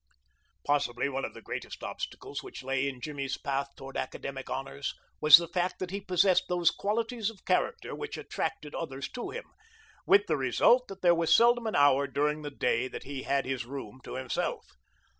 Possibly one of the greatest obstacles which lay in Jimmy's path toward academic honors was the fact that he possessed those qualities of character which attracted others to him, with the result that there was seldom an hour during the day that he had his room to himself.